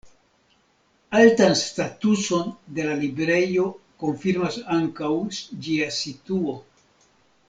Altan statuson de la librejo konfirmas ankaŭ ĝia situo.